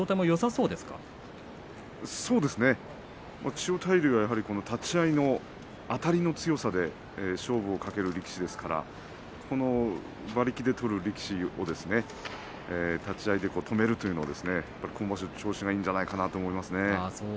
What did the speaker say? そうですね千代大龍は立ち合いのあたりの強さで勝負をかける力士ですからこの馬力で取る力士を立ち合いで止めるというのは今場所、調子がいいんじゃないかなと思いますね。